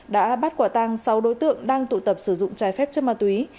đã bắt quả tăng sáu đối tượng đang tụ tập sử dụng trái phép chân ma túy